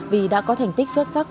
vì đã có thành tích xuất sắc